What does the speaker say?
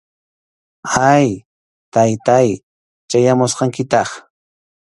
Ay, Taytáy, chayamusqankitaq